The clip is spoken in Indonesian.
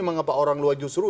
mengapa orang luar justru